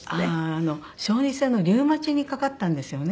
小児性のリウマチにかかったんですよね。